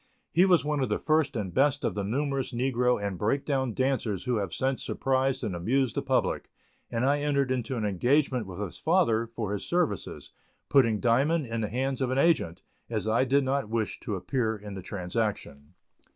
He was one of the first and best of the numerous negro and "break down" dancers who have since surprised and amused the public, and I entered into an engagement with his father for his services, putting Diamond in the hands of an agent, as I did not wish to appear in the transaction.